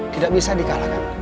tidak bisa dikalahkan